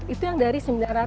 itu yang dari